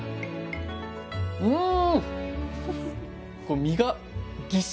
うん！